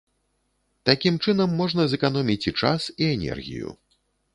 Такім чынам можна зэканоміць і час, і энергію.